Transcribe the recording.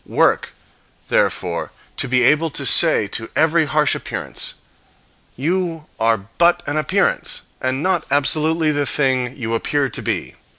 Work, therefore to be able to say to every harsh appearance, "You are but an appearance, and not absolutely the thing you appear to be."